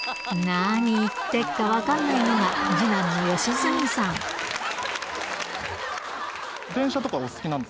何言ってるか分かんないのが次男の良純さん。